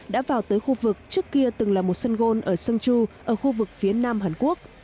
đã vào tới khu vực trước kia từng là một sân gôn ở sân chu ở khu vực phía nam hàn quốc